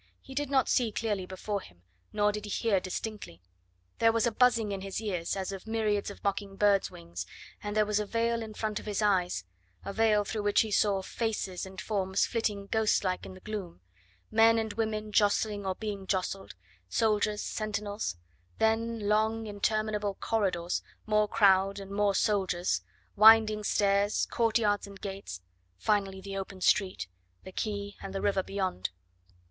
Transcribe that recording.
He did not see clearly before him, nor did he hear distinctly. There was a buzzing in his ears as of myriads of mocking birds' wings, and there was a veil in front of his eyes a veil through which he saw faces and forms flitting ghost like in the gloom, men and women jostling or being jostled, soldiers, sentinels; then long, interminable corridors, more crowd and more soldiers, winding stairs, courtyards and gates; finally the open street, the quay, and the river beyond.